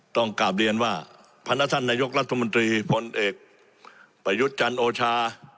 ต้องกลับเรียนว่าพนักท่านนายกรัฐมนตรีพลเอกประยุทธ์จันโอชา